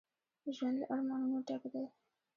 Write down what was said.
ژوند له ارمانونو ډک دی